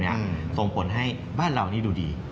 ตรงกลายให้บ้านเรานี่ดูดี